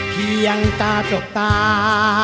เพียงตาจบตา